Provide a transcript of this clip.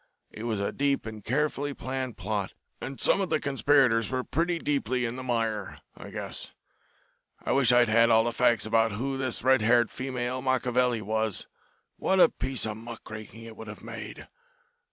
It was a deep and carefully planned plot, and some of the conspirators were pretty deeply in the mire, I guess. I wish I'd had all the facts about who this red haired female Machiavelli was what a piece of muckraking it would have made!